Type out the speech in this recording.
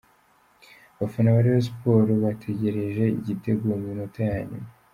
Abafana ba Rayon Sports bategereje igitego mu minota ya nyuma.